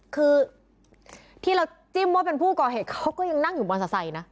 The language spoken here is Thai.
คือที่เราจิ้มมัวเป็นผู้ก่อเหตุเขาก็ยังนั่งอยู่บนสะใสนะ